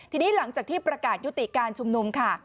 ทีนี้หลังจากที่ประกาศยุติการชุมนุมค่ะ